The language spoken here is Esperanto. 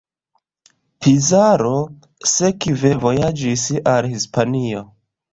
Pizarro sekve vojaĝis al Hispanio.